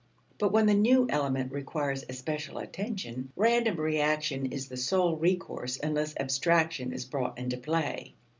But when the new element requires especial attention, random reaction is the sole recourse unless abstraction is brought into play.